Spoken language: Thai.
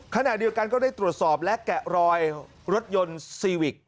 ขณะเดียวกันก็ได้ตรวจสอบและแกะรอยรถยนต์ซีวิก